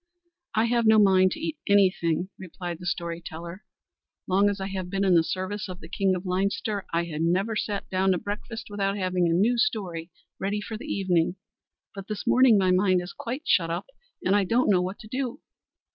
"I have no mind to eat anything," replied the story teller; "long as I have been in the service of the king of Leinster, I never sat down to breakfast without having a new story ready for the evening, but this morning my mind is quite shut up, and I don't know what to do.